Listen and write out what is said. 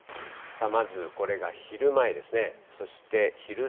まずこれが昼前ですね。